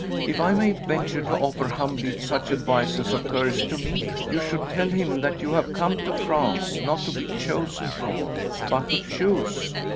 If I may venture to offer humbly such advice as occurs to me, you should tell him that you have come to France not to be chosen for, but to choose.